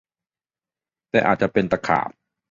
แต่อาจจะเป็นตะขาบ